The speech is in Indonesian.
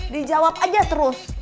dijawab aja terus